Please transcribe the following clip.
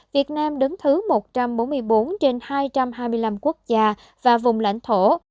việt nam đứng thứ một trăm bốn mươi bốn trên hai trăm hai mươi năm quốc gia và vùng lãnh thổ